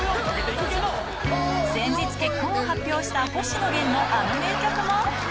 先日結婚を発表した星野源のあの名曲も。